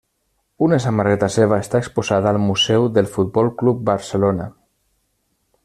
Una samarreta seva està exposada al Museu del Futbol Club Barcelona.